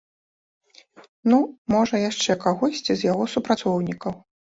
Ну, можа, яшчэ кагосьці з яго супрацоўнікаў.